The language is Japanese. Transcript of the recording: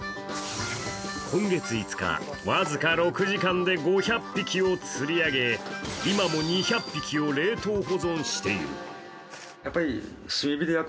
今月５日、僅か６時間で５００匹を釣り上げ、今も２００匹を冷凍保存している。